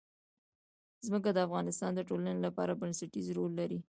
ځمکه د افغانستان د ټولنې لپاره بنسټيز رول لري.